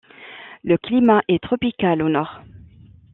Le climat est tropical au nord.